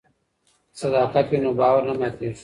که صداقت وي نو باور نه ماتیږي.